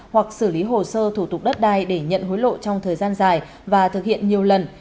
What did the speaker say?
hoặc xử lý hồ sơ thủ tục đất đai để nhận hối lộ trong thời gian dài và thực hiện nhiều lần